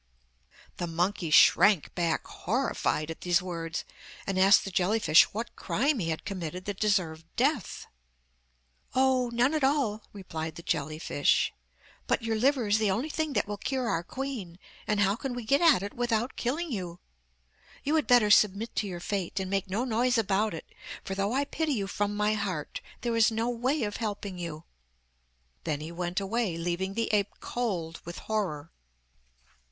The monkey shrank back horrified at these words and asked the jelly fish what crime he had committed that deserved death. 'Oh, none at all,' replied the jelly fish, 'but your liver is the only thing that will cure our queen, and how can we get at it without killing you? You had better submit to your fate, and make no noise about it, for though I pity you from my heart there is no way of helping you.' Then he went away, leaving the ape cold with horror.